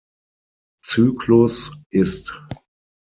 Zyklus ist.